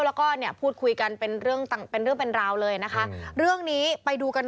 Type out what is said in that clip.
แล้วก็เนี่ยพูดคุยกันเป็นเรื่องเป็นราวเลยนะคะ